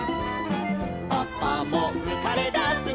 「パパもうかれだすの」